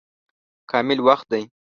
کامل وخت دی.